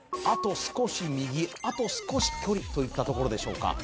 あと少し右あと少し距離といったところでしょうか？